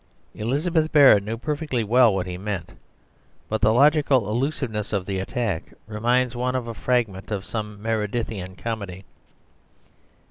Elizabeth Barrett knew perfectly well what he meant; but the logical allusiveness of the attack reminds one of a fragment of some Meredithian comedy.